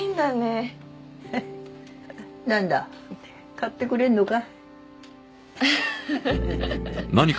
買ってくれんのか？